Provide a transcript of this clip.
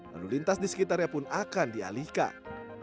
lalu lintas di sekitarnya pun akan dialihkan